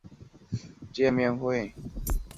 发售当日在斯德哥尔摩市内举行了见面会。